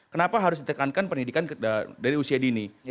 kenapa harus ditekankan pendidikan dari usia dini